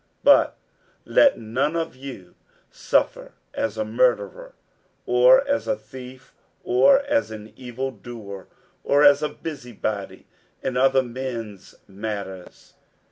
60:004:015 But let none of you suffer as a murderer, or as a thief, or as an evildoer, or as a busybody in other men's matters.